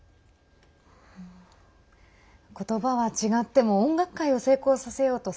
言葉は違っても音楽会を成功させようと